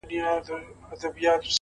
زړه مي در سوځي چي ته هر گړی بدحاله یې;